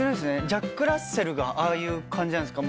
ジャック・ラッセルがああいう感じなんですか？